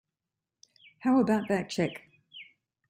How about that check?